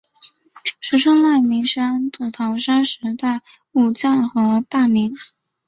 石川赖明是安土桃山时代武将和大名。